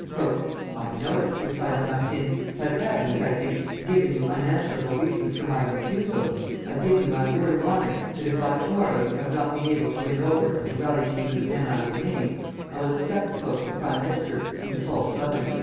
"I know it," replied Lamartine; "but having, as I think, given you unanswerable reasons for my refusal, I give you my word of honor that if by to morrow you have not been able to win over and to rally to you the men I will name, I will accept the post of prime minister in default of others."